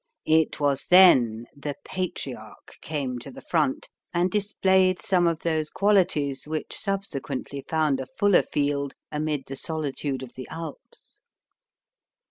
It was then the Patriarch came to the front and displayed some of those qualities which subsequently found a fuller field amid the solitude of the Alps.